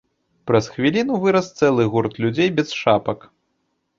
Праз хвіліну вырас цэлы гурт людзей без шапак.